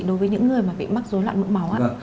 đối với những người bị mắc dối loạn mỡ máu ạ